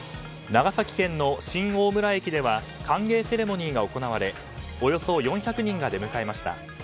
長崎県の新大村駅では歓迎セレモニーが行われおよそ４００人が出迎えました。